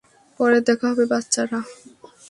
পরে দেখা হবে, বাচ্চারা।